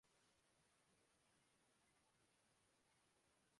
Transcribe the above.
یہ سچ ہے جس کے پیمانے پر گروہوں کو پرکھا جائے گا۔